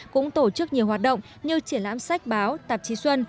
cũng tổ chức nhiều hoạt động như triển lãm sách báo tạp chí xuân